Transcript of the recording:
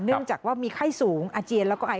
เนื่องจากว่ามีไข้สูงอาเจียนแล้วก็ไอ